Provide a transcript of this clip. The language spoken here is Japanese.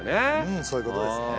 うんそういうことですね。